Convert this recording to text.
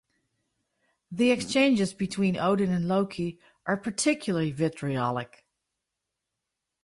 The exchanges between Odin and Loki are particularly vitriolic.